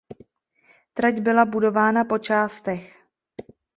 Trať byla budována po částech.